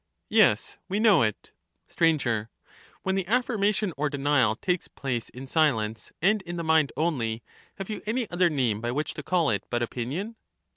Yes, we know it. Str. When the affirmation or denial takes place in silence and in the mind only, have you any other name by which to call it but opinion